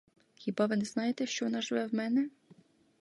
Хіба ви не знаєте, що вона живе в мене?